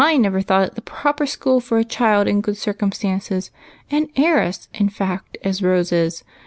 J never thought it the proper school for a child in good circumstances, — an heiress, in fact, as Rose is.